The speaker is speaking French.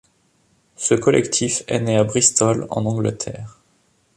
Ce collectif est né à Bristol en Angleterre.